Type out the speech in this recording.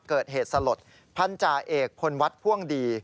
เกิดเหตุสลดพันธาเอกพลวัฒน์พ่วงดี